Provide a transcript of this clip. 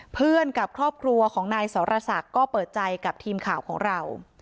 กับครอบครัวของนายสรศักดิ์ก็เปิดใจกับทีมข่าวของเรา